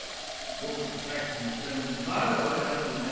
僕がさっき言ったのにまだ分かってないんだね。